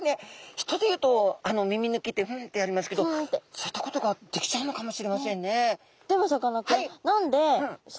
人で言うとあの耳抜きってフンッてやりますけどそういったことができちゃうのかもしれませんね。